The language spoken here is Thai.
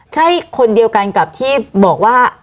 ใช่คนเดียวกันกับที่บอกว่า